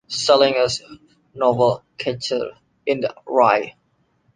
Salinger's novel "Catcher in the Rye".